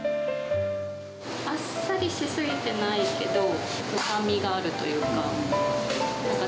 あっさりしすぎてないけど、深みがあるというか。